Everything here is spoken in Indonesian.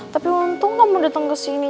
tapi untung kamu dateng kesini